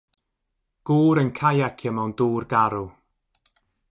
Gŵr yn caiacio mewn dŵr garw.